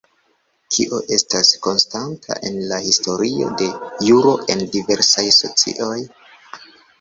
Kio estas konstanta en la historio de juro en diversaj socioj?